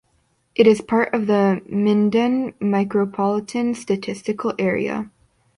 It is part of the Minden Micropolitan Statistical Area.